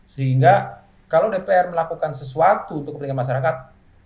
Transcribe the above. sehingga kalau dpr melakukan sesuatu untuk kepentingan masyarakat